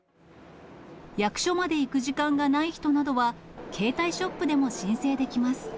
役所まで行く時間がない人などは、携帯ショップでも申請できます。